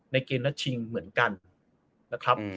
เกมนัดชิงเหมือนกันนะครับ